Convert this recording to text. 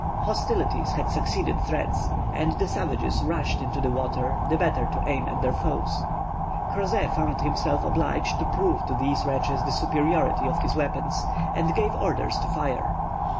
Hostilities had succeeded threats, and the savages rushed into the water the better to aim at their foes. Crozet found himself obliged to prove to these wretches the superiority of his weapons, and gave orders to fire.